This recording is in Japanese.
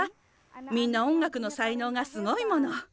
みんな音楽の才のうがすごいもの。